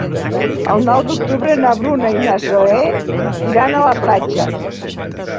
El nou d'octubre na Bruna i na Zoè iran a la platja.